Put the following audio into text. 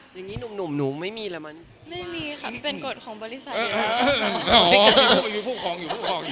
ยังงี้หนุ่มหนูมันไม่มีแล้วมั้ยไม่มีค่ะมันเป็นกฎของบริษัทด้วย